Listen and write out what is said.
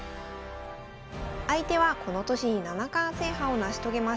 相手はこの年に七冠制覇を成し遂げました